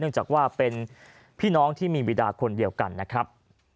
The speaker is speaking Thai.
จากว่าเป็นพี่น้องที่มีวิดาคนเดียวกันนะครับ